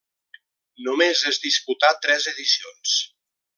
Només es disputà tres edicions.